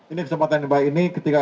ini kesempatan yang baik ini ketika